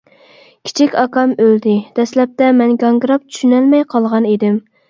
كىچىك ئاكام ئۆلدى، دەسلەپتە مەن گاڭگىراپ چۈشىنەلمەي قالغان ئىدىم.